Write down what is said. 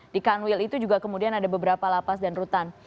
di kanwil itu juga kemudian ada beberapa lapas dan rutan